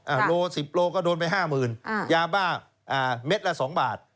โลสิบโลก็โดนไปห้าหมื่นอ่ายาบ้าอ่าเม็ดละสองบาท